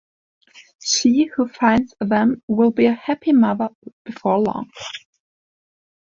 She who finds them will be a happy mother before long.